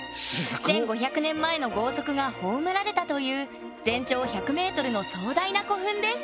１，５００年前の豪族が葬られたという全長１００ｍの壮大な古墳です